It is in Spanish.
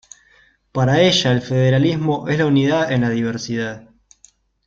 Para ella el federalismo es la unidad en la diversidad.